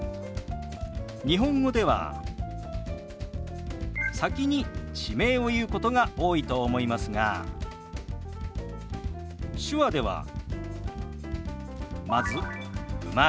日本語では先に地名を言うことが多いと思いますが手話ではまず「生まれ」。